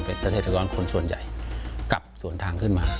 เป็นเกษตรกรคนส่วนใหญ่กลับสวนทางขึ้นมา